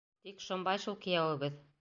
Тик шомбай шул кейәүебеҙ.